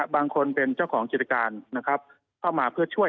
บางคนเป็นเจ้าของจิตการเข้ามาเพื่อช่วย